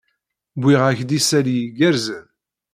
Wwiɣ-ak-d isali igerrzen.